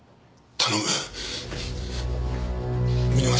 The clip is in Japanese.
頼む！